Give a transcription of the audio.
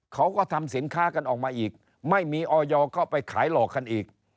เขาก็ทำสินค้ากันออกมาอีกไม่มีออยก็ไปขายหลอกกันอีก